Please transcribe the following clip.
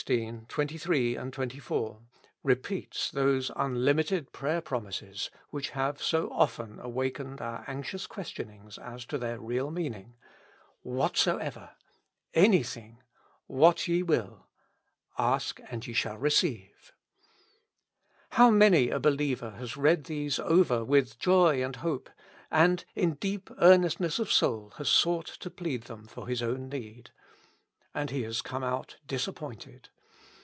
23, 24) repeats those unlimited prayer prom ises which have so often awakened our anxious ques tionings as to their real meaning: '■' whatsoeve7\^'' '' anythmg,'' '' what ye will,'' ^^ ask and ye shall receive y How many a believer has read these over with joy and hope, and in deep earnestness of soul has sought to plead them for his own need. And he has come out disappointed.